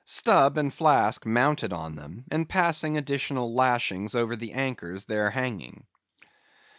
_Stubb and Flask mounted on them, and passing additional lashings over the anchors there hanging.